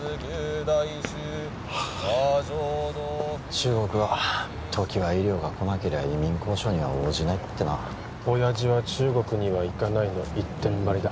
中国は常盤医療が来なけりゃ移民交渉には応じないってな親父は中国には行かないの一点張りだ